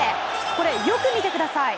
これ、よく見てください。